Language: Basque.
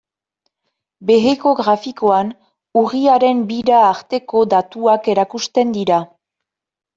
Beheko grafikoan urriaren bira arteko datuak erakusten dira.